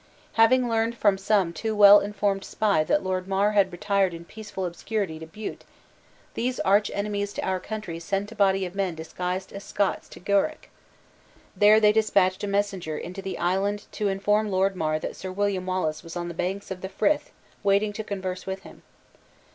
"Having learned from some too well informed spy that Lord Mar had retired in peaceful obscurity to Bute, these arch enemies to our country sent a body of men disguised as Scots to Gourock. There they dispatched a messenger into the island to inform Lord Mar that Sir William Wallace was on the banks of the Frith waiting to converse with him.